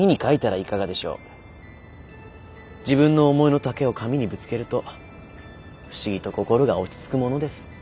自分の思いの丈を紙にぶつけると不思議と心が落ち着くものです。